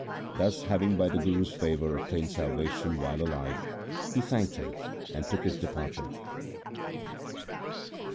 Thus having, by the Guru's favour, obtained salvation while alive, he thanked him and took his departure.